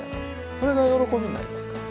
これが喜びになりますから。